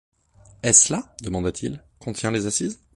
Est-ce là, demanda-t-il, qu'on tient les assises?